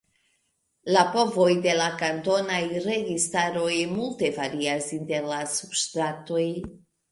La povoj de la kantonaj registaroj multe varias inter la subŝtatoj.